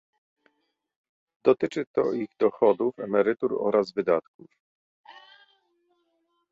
Dotyczy to ich dochodów, emerytur oraz wydatków